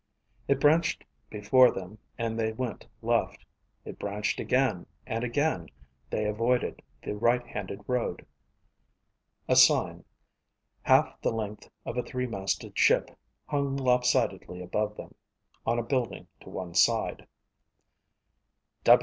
It branched before them and they went left. It branched again and again they avoided the right handed road. A sign, half the length of a three masted ship, hung lopsidedly above them on a building to one side.